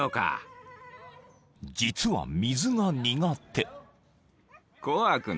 ［実は水が苦手］